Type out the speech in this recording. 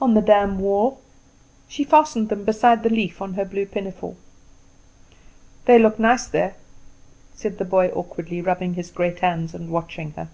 "On the dam wall." She fastened them beside the leaf on her blue pinafore. "They look nice there," said the boy, awkwardly rubbing his great hands and watching her.